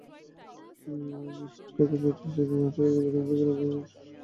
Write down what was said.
মিছিলটি ঢাকা-আরিচা মহাসড়ক হয়ে বরদেশী গ্রাম ঘুরে আমিনবাজারে গিয়ে শেষ হয়।